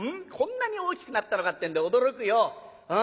こんなに大きくなったのかってんで驚くよ。